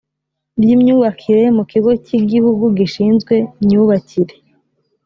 ry imyubakire mu kigo cy igihugu gishinzwe myubakire